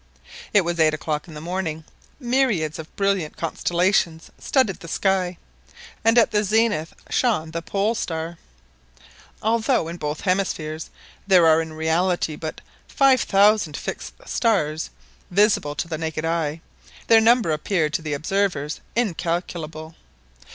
It was eight o'clock in the morning. Myriads of brilliant constellations studded the sky, and at the zenith shone the Pole star. Although in both hemispheres there are in reality but 5000 fixed stars visible to the naked eye, their number appeared to the observers incalculable.